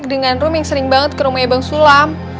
dengan room yang sering banget ke rumahnya bang sulam